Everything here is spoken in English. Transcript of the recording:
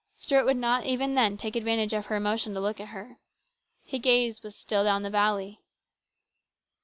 Stuart would not even then take advantage of her emotion to look at her. His gaze was still down the valley.